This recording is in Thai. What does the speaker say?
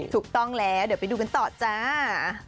ถูกต้องแล้วเดี๋ยวไปดูกันต่อจ้า